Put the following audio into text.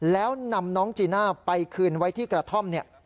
แล้วนำน้องจีน่าไปคืนไว้ที่กระท่อมเนี่ย